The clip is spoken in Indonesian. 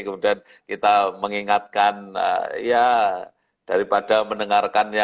kemudian kita mengingatkan ya daripada mendengarkan ya ya